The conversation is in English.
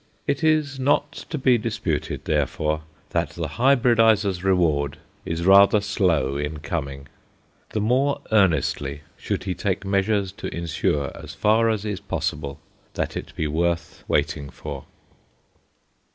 It is not to be disputed, therefore, that the hybridizer's reward is rather slow in coming; the more earnestly should he take measures to ensure, so far as is possible, that it be worth waiting for.